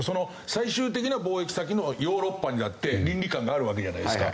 最終的な貿易先のヨーロッパにだって倫理観があるわけじゃないですか。